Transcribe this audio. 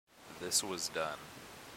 This was done.